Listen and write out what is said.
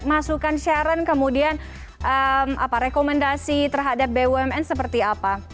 masukan sharon kemudian rekomendasi terhadap bumn seperti apa